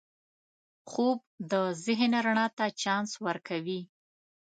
خوب د ذهن رڼا ته چانس ورکوي